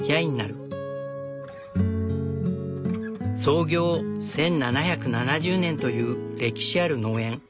創業１７７０年という歴史ある農園。